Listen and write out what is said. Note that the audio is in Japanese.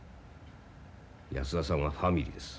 安田さんはファミリーです。